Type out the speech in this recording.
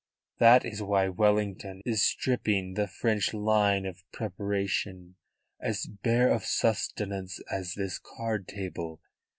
That is why Wellington is stripping the French line of penetration as bare of sustenance as this card table.